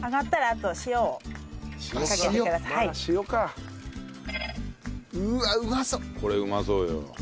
これうまそうよ。